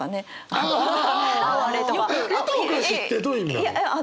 「いとをかし」ってどういう意味なの？